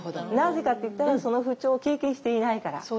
なぜかっていったらその不調を経験していないから。